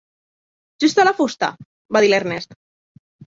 Justa la fusta, va dir l'Ernest.